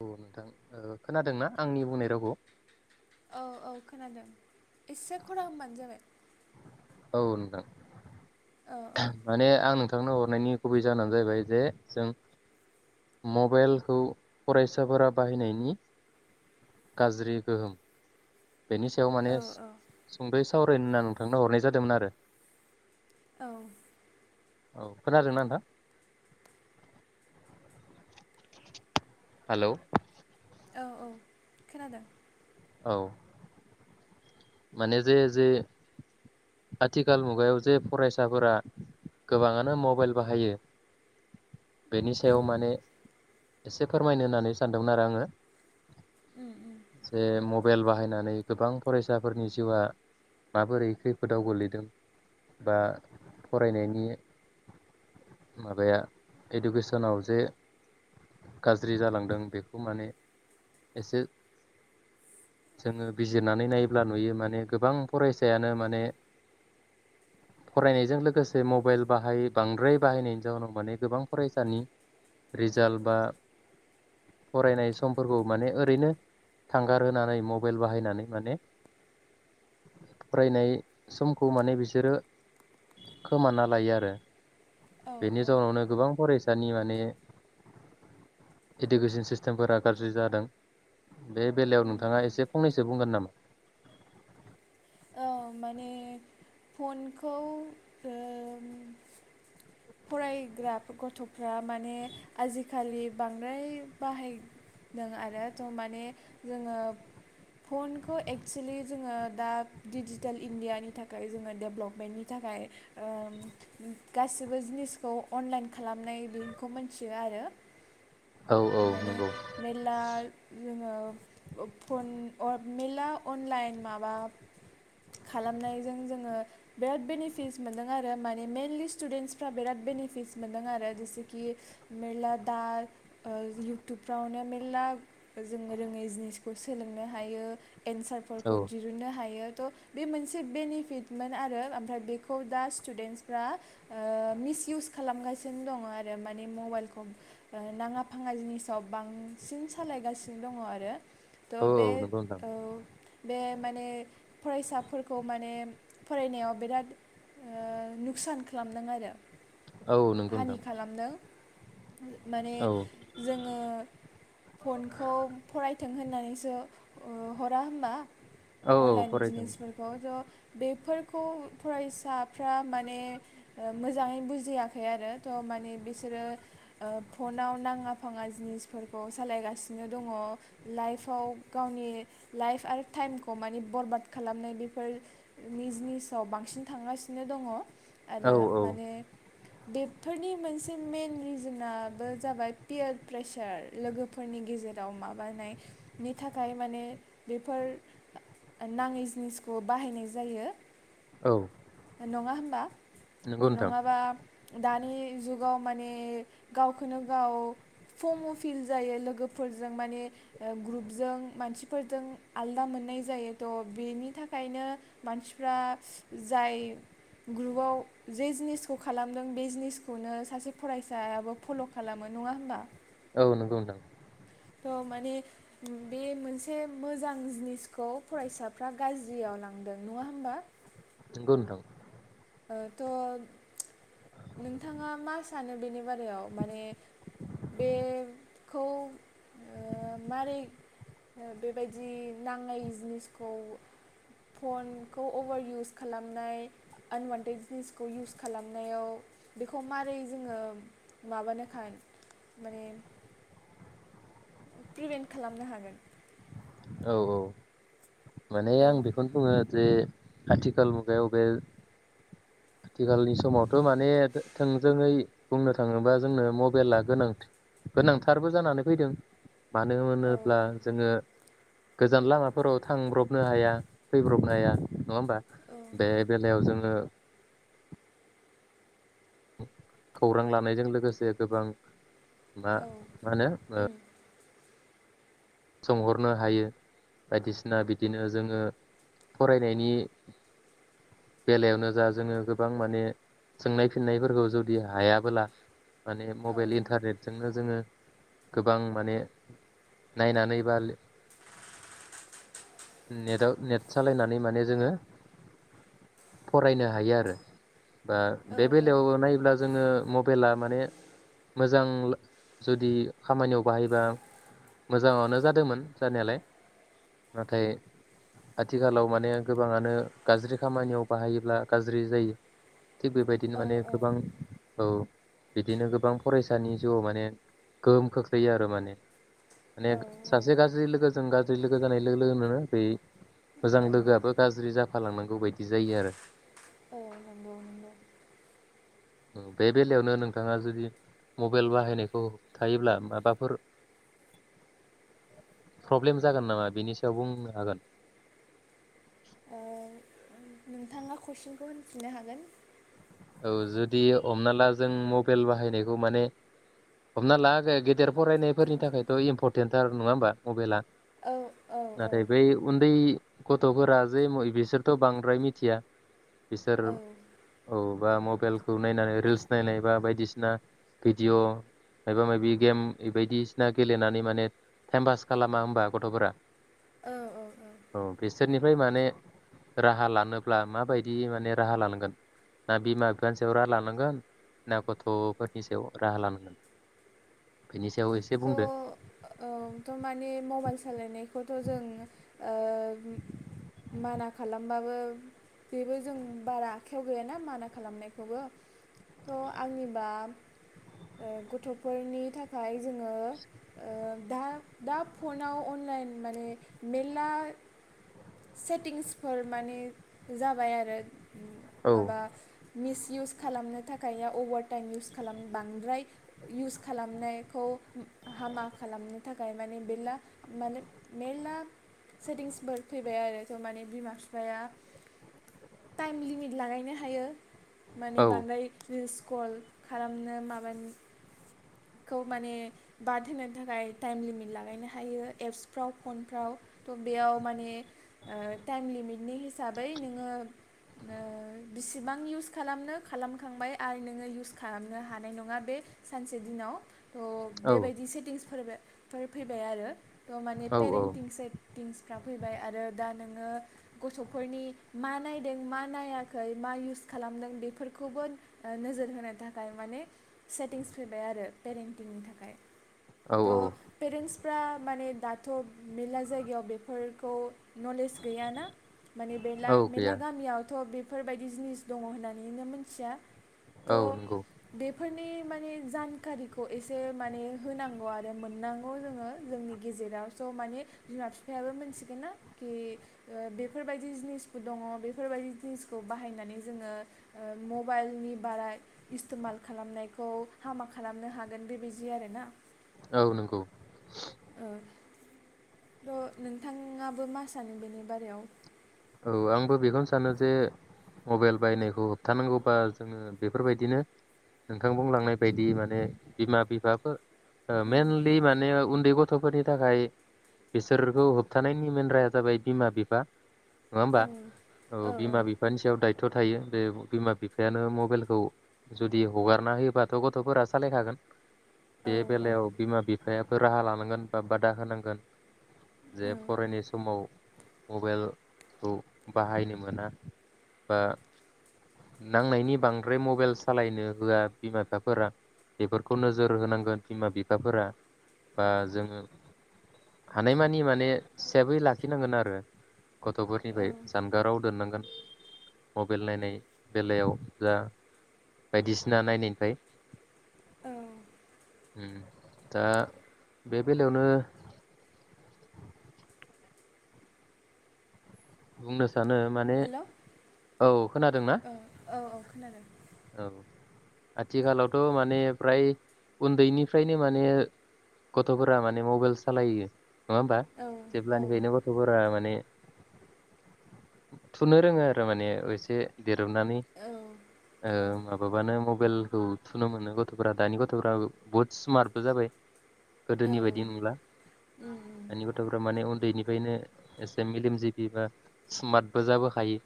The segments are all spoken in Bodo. औ नोंथां ओ खोनादोंना आंनि बुंनाय रावखौ? औ औ खोनादों एसे खरा होनबानो जाबाय। औ औ नोंथां माने आं नोंथां थांनो हरनायनि गुबै जाहोना जाहैबाय जे जों मबाइलखौ फरायसाफोरा बाहायनायनि गाज्रि गोहोम बेनि सायाव माने औ सुंदै साव होनना नोंथांनो हरनाय जादोंमोन आरो। औ औ खोनादोंना नोंथां? हालौ औ औ खोनादों औ माने जे जे आथिखाल मुगायाव जे फरायसाफोरा गोबाङानो मबाइल बाहायो बेनि औ सायाव माने एसे फोरमायनो होननानै सानदोंमोन आरो आङो। उम उम जे मबाइल बाहायनानै गोबां फरायसा साफोरनि जिउआ माबोरै खैफोदाव गोलैदों बा फरायनायनि माबाया इडुकेसनाव जे गाज्रि जालांदों बेखौ माने एसे जोङो बिजिरनानै नायनि। ब्ला नुयो माने गोबां फरायसायानो माने फरायनायजों लोगोसे मबाइल बाहाय बांद्राय बाहायनायनि जाउनाव माने गोबां फरायसानि रिजाल्ट बा फरायनाय समफोरखौ माने ओरैनो थांगार होनानै मबाइल बाहायनानै माने फरायनाय समखौ माने बिसोरो खोमाना लायो आरो। औ बेनि औ जाउनावनो गोबां फरायसा दानि माने इडुकेसन सिस्टेमफोरा गाज्रि जादों। बे बेलायाव उम नोंथाङा उम एसे फंनैसो जे बुंगोन नामा? औ माने फनखौ ओ फरायग्रा गथ'फ्रा माने आजिखालि बांद्राय बाहायदों आरो थ' माने जोङो फनखौ एक्सलि जोङो दा डिजिटेल इण्डियानि थाखाय जोङो डेभलपमेन्टनि थाखाय ओम गासिबो जिनिसखौ अनलाइन खालामनायखौ मिथियो आरो औ औ माने नंगौ मेरला जोङो फन मेरला अनलाइन माबा खालामनायजों जोङो बिराद बेनिफिटस मोनदों आरो माने मेइेनलि स्टुडेन्सफ्रा बिराद बेनिफिटस मोनदों आरो जेसेखि मेरला दा इयउटुबफ्रावनो मेर्ला जोङो रोङै जिनिसखौ सोलोंनो हायो औ एन्सारफोरखौ दिहुननो हायो थ' बे मोनसे बेनिफिटमोन आरो ओमफ्राय बेखौ दा स्टुडेन्टसफ्रा मिसयउस खालामगासिनो दङ आरो मानि मबाइलखौ नाङा फाङा जिनिसाव बांसिन सालायगासिनो दङ आरो औ थ' औ बे नंगौ नोंथां औ बे माने फरायसाफोरखौ माने फरायनायाव बिराद ओ नुकसान खालामदों आरो औ नोंगौ हानि नोंथां खालामदों माने औ जोङो फनखौ फरायथों होननानैसो हरा होनोमबा? औ औ अनलाइन फरायदों जिनिसफोरखौ थ' बेफोरखौ फरायसाफ्रा माने मोजाङै बुजियाखै आरो थ' माने बिसोरो फनाव नाङा फाङा जिनिसफोरखौ सालायगासिनो दङ लाइफआव गावनि लाइफ आरो टाइमखौ मानि बरबाद खालामनाय बेफोरनि जिनिसाव बांसिन थांगासिनो दङ औ आरो औ माने बेफोरनि मोनसे मेन रिजोनाबो जाबाय पियार प्रेसार लोगोफोरनि गेजेराव माबानायनि थाखाय माने बेफोर नाङै जिनिसखौ बाहायनाय जायो औ नङा होमबा नंगौ नोंथां नङाबा दानि जुगाव माने गावखौनो गाव फर्माव फिल जायो लोगोफोरजों माने ग्रुपजों मानसिफोरजों आलदा मोननाय जायो थ' बेनि थाखायनो मानसिफ्रा जाय ग्रुपाव जे जिनिसखौ खालामदों बे जिनिसखौनो सासे फरायसायाबो फल' खालामो नङा होमबा? औ नंगौ नोंथां थ' माने बे मोनसे मोजां जिनिसखौ फरायसाफ्रा गाज्रियाव लांदों नङा होमबा? नंगौ नोंथां थ' नोंथाङा मा सानो बेनि बारायाव माने बेखौ ओ मारै बेबायदि नांनाय जिनिसखौ फनखौ अभार इउस खालामनाय आनवानटेड जिनिसखौ इउस खालामनायाव बेखौ मारै जोङो माबानोखाय माने प्रिभेन्ट खालामनो हागोन। औ औ माने औ आं बेखौनो बुङो जे आथिखाल मुगायाव बेे आथिखालनि समावथ' माने थोंजोङै बुंनो थाङोबा जोंनो मबाइला गां गोनांथारबो जानानै फैदों मानो औ होनोब्ला जोङो गोजान लामाफोराव थांब्रब नो हाया फैब्रबनो हाया नङा होमबा औ बे बेलायाव जोङो खौरां लानायजों लोगोसे गोबां मा मा होनो उम सोंहरनो हायो बायदिसिना बिदिनो जोङो फरायनायनि बेलायावनो जा जोङो गोबां माने सोंनाय फिन्नायफोरखौ जुदि हायाबोला माने औ उम औ मबाइल इन्टारनेटजोंनो जोङो गोबां माने नायनानै बा नेटआव नेट सालायनानै माने जोङो फरायनो हायो आरो बा औ बे बेलायाव नायोब्ला जोङो मबाइला माने मोजां जुदि खामानियाव बाहायबा मोजांआव नो जादोंमोन जानायालाय नाथाय आथिखालाव माने गोबाङानो गाज्रि खामानियाव बाहायोब्ला गाज्रि जायो थिग बेबायदिनो औ माने गोबां औ बिदिनो गोबां फरायसानि जिउआव माने गोहोम खोख्लैयो आरो माने माने औ सासे गाज्रि लोगोजों गा ज्रि लोगो जानाय लोगो लोगोनो बे मोजां लोगोआबो गाज्रि जा फालांनांगौ बायदि जायो आरो औ नंगौ नंगौ। उम बे बेलायावनो नोंथाङा जुदि मबेल बाहायनायखौ होबथायोब्ला माबाफोर प्रब्लेम जागोन नामा बिनि सायाव बुंनो हागोन? ओ नोंथाङा कुइसनखौ होनफिननो हागोन औ जुदि हमना ला जों मबेल बाहायनायखौ माने हमना ला गेदेर फरायनायफोरनि थाखायथ' इम्फरटेन्ट थार नङा होमबा मबेला औ औ नाथाय बे उन्दै गथ'फोरा जे बिसोरथ' बांद्राय मिथिया। बिसोर औ औ बा मबेलखौ नायनानै रिल्स नायनाय बा बायदिसिना भिडिअ' माबा माबि गेम बायदिसिना गेलेनानै माने टाइम पास खालामा होमबा गथ'फोरा औ औ औ बे बिसोरनिफ्राय माने राहा लानोब्ला माबायदि माने राहा लानांगोन? ना बिमा बिफानि सायाव राहा लानांगोन ना गथ'फोरनि सायाव राहा लानांगोन? बेनि सायाव एसे स' ओ बुंदो थ' माने मबाइल सालायनायखौथ' जों ओ माना खालामबाबो बेबो जों बारा आखायाव गैयाना माना खालामनायखौबो थ' आंनिबा गथ'फोरनि थाखाय ओ ओ दा दा फनाव अनलाइन माने मेलला सेटिंसफोर माने जाबाय आरो उम औ माबा मिस इउस खालामनो थाखाय अभारटाइम इउस खालाम बांद्राय इउस खालामनाय खौ हामा खालामनो थाखाय माने मेरला माने मेरला सेटिंसफोर फैबाय आरो थ' माने बिमा फिफाया टाइम लिमिट लागायनो हायो। औ माने बांद्राय रिल्स कल खालामनो माबानि खौ माने बाद होनो थाखाय टाइम लिमिट लागायनो हायो एप्सफ्राव फनफ्राव। थ' बेयाव मानेओ टाइम लिमिटनि हिसाबै नोङो ओ बिसिबां इउस खालामनो खालामखांबाय आरो नोङो इउस खालामनो हानाय नङा बे सानसे दिनाव थ' औ बेबायदि सेटिंसफोरबो फोर फैबाय आरो माने औ पेरेंटिंस सेफटिंस फोरा फैबाय आरो दा नोङो गथ'फोरनि मा नायदों मा नायाखै मा इउस खालामदों बेफोरखौबो नोजोर होनो थाखाय माने सेटिंसफोर फैबाय आरो पेरेन्टिंनि थाखाय। औ त' पेरेन्टसफ्रा माने दाथ' मेरला जायगायाव बेफोरखौ नलेज गैया ना माने मेला औ मेरला गैया गामियावथ' बे फोरबायदि जिनि दङ' होननानै मिथिया औ नंगौ त' बेफोरनि माने जानकारिखौ एसे माने होनांगौ आरो मोननांगौ जोङो जोंनि गेजेराव स' माने बिमा फिफायाबो मिथिगोन ना कि बेफोरबायदि जिनिसबो दङ बेफोरबायदि जिनिसखौ बाहायनानै जोङो मबाइलनि बारा इस्थमाल खालामनायखौ हामा खालामनो हागोन बेबायदि आरोना। औ नंगौ। ओ थ' नोंथाङाबो मा सानो बेनि बारायाव औ आंबो बेखौनो सानो जे मबाइल बायनायखौ होबथानांगौबा जोङो बेफोरबायदिनो नोंथां बुंलांनाय बायदि माने बिमा बिफाफोर ओ मेनलि माने बे गथ'फोरनि थाखाय बिसोरखौ होबथानायनि मेन राया जाबाय बिमा बिफा नआ होनबा औ बिमा बिफानि सायाव दाय दथ' थायो बे बिमा बिफायानो मबाइलखौ जुदि हगारना होयोबाथ' गथ'फोरा सालायखागोन बे औ बेलायाव बिमा बिफाया राहा लानांगोन बा बादा होनांगोन औ जे फरायनाय समाव मबाइलखौ बाहायनो मोना बा नांनायनि बांद्राय मबाइल सालायनो होआ बिमा बिफाफोरा बेफोरखौ नोजोर होनांगोन बिमा बिफाफोरा बा जोङो हानायमानि माने सेफै लाखिनांगोन आरो औ गथ'फोरनिफ्राय जानगाराव दोननांगोन मबाइल नायनाय बेलायाव जा बायदिसिना नायनायनिफ्राय औ उम दा बे बेलायावनो बुंनो आ सानो माने हेल' औ खोनादों ना औ औ औ खोनादों औ आथिखालावथ' माने फ्राय उन्दैनिफ्रायनो माने गथ'फोरा माने मबाइल सालायो नङा होमबा औ जेब्लानिफ्रायनो औ गथ'फोरा माने थुनो रोङो आरो माने एसे देर जनानानै औ ओ माबाबानो मबाइलखौ थुनो मोनो गथ'फोरा दानि गथ'फ्रा बुहुत स्मार्टबो जाबाय औ गोदोनि बायदि नंला उम दानि गथ'फ्रा माने उन्दैनिफ्रायनो एसे मेलेमजिबि बा स्मार्टबो जाबो हायो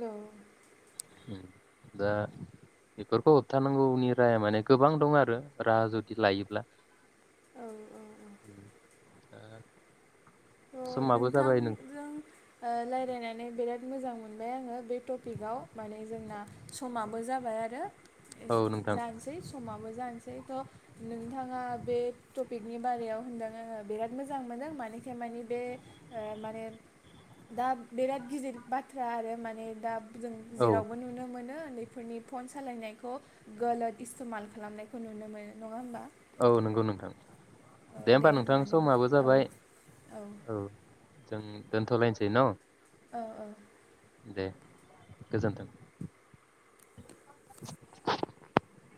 उम औ उम दा बेफोरखौ होबथानांगौनि राहा माने गोबां दं आरो राहा जुदि लायोब्ला [unintelligible] ओ नोंथांजों लाय रायनानै बिराद मोजां मोनबाय आङो बे टपिकआव माने जोंना समाबो जाबाय आरो औ नोंथां जानोसै समाबो जानोसै थ' नोंथाङा बे टपिकनि बारायाव होनदों ओ बिराद मोजां मोनो माने खायमानि बे ओ माने दा बिराद गिदिर बाथ्रा आरो माने दा जों औ जेरावबो नुनो मोनो उन्दै फोरनि फन सालायनायखौ गोलोद इस्थमाल खालामनायखौ नुनो मोनो नङा होमबा? औ नंगौ नोंथां। दे औ होमबा नोंथां नों समाबो औ जाबाय औ। जों दोनथ'लायनोसै न'। औ औ। दे गोजोनथों। [unintelligible]